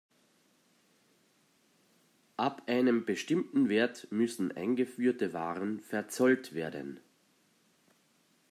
Ab einem bestimmten Wert müssen eingeführte Waren verzollt werden.